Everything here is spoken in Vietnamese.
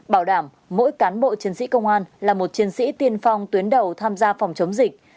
bảo đảm mỗi cán bộ chiến sĩ công an là một chiến sĩ tiên phong tuyến đầu tham gia phòng chống dịch